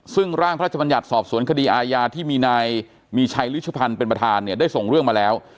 ซึ่งร่างพระราชบัญญัติสอบสวนคดีอาญาที่มีนายมีชัยริชุพันธ์เป็นประธานเนี่ยได้ส่งเรื่องมาแล้ว